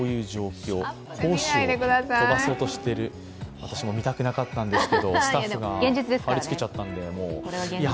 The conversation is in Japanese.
私も見たくなかったんですけどスタッフが貼り付けちゃったのでいや